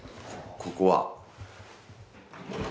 ここは。